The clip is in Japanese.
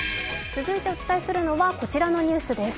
続いてお伝えするのはこちらのニュースです。